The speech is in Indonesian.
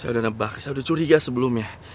saya udah nebak saya udah curiga sebelumnya